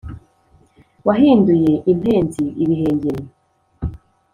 Wahinduye impenzi ibihengeri,